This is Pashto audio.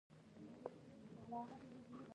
ننواتې یو ډېر پخوانی دود دی.